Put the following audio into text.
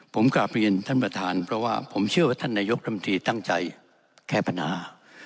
ผมกลับเรียนท่านประธานเพราะว่าผมเชื่อว่าท่านนายกรมตรีตั้งใจแก้ปัญหา